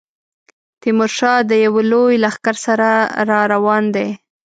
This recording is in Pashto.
تیمورشاه د یوه لوی لښکر سره را روان دی.